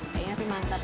kayaknya sih mantep